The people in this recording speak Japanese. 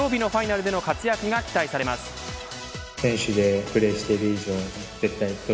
土曜日のファイナルでの活躍が期待されます。